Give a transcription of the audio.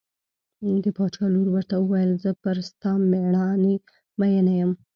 د باچا لور ورته وویل زه پر ستا مېړانې مینه یم.